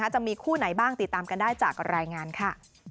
จะมีคู่ไหนบ้างติดตามกันได้จากรายงานค่ะ